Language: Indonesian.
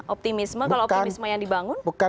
optimisme kalau optimisme yang dibangun